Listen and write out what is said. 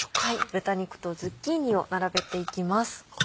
豚肉とズッキーニを並べていきます。